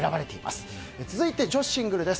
続いて女子シングルです。